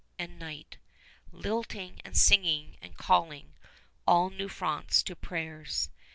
and night ... lilting and singing and calling all New France to prayers.